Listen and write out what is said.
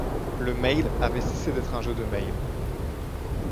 Le Mail avait cessé d’être un jeu de Mail.